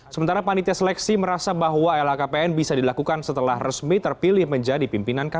sementara panitia seleksi merasa bahwa lhkpn bisa dilakukan setelah resmi terpilih menjadi pimpinan kpk